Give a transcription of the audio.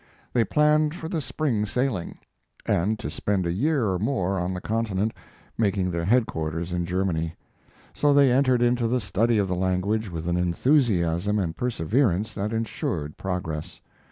They planned for the spring sailing, and to spend a year or more on the Continent, making their headquarters in Germany. So they entered into the study of the language with an enthusiasm and perseverance that insured progress.